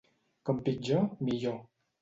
Com pitjor, millor.